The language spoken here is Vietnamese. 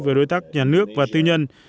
với đối tác nhà nước và tư nhân